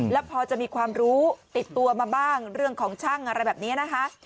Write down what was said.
แล้วพอจะมีความรู้ติดตัวมาบ้างเรื่องของช่างอะไรแบบนี้นะคะ